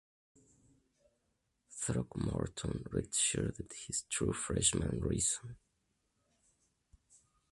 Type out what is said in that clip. Throckmorton redshirted his true freshman season.